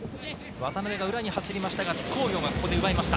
渡辺が裏に走りましたが津工業が奪いました。